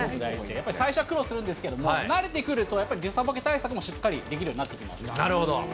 やっぱり最初はすごく苦労するんですけれども、慣れてくるとやっぱり、時差ボケ対策もしっかりできるようになってきますから。